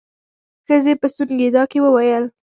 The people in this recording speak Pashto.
ښځې په سونګېدا کې وويل.